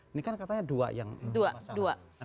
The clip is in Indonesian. ini kan katanya dua yang